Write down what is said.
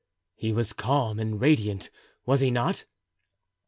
"He was calm and radiant, was he not?"